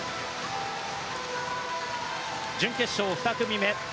準決勝２組目。